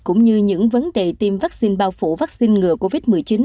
cũng như những vấn đề tiêm vaccine bao phủ vaccine ngừa covid một mươi chín